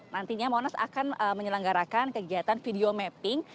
nantinya monas akan menyelenggarakan kegiatan video mapping